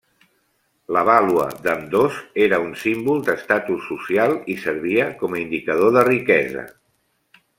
La vàlua d'ambdós era un símbol d'estatus social i servia com indicador de riquesa.